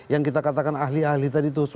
yang kita katakan ahli ahli tadi itu